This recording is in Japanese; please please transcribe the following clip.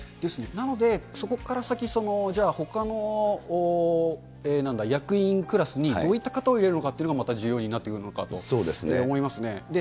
なので、そこから先、じゃあ、ほかの役員クラスにどういった方を入れるのかというのがまた重要になってくるのかなと思いますね。